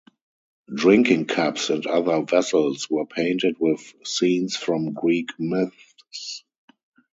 Drinking cups and other vessels were painted with scenes from Greek myths.